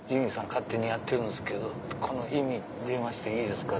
勝手にやってるんですけどこの日に電話していいですか？」